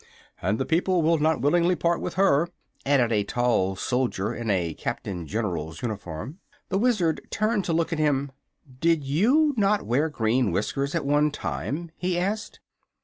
"And the people will not willingly part with her," added a tall soldier in a Captain General's uniform. The Wizard turned to look at him. "Did you not wear green whiskers at one time?" he asked.